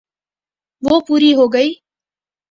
وہ پوری ہو گئی۔